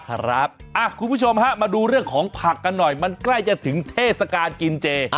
คุณผู้ชมฮะมาดูเรื่องของผักกันหน่อยมันใกล้จะถึงเทศกาลกินเจ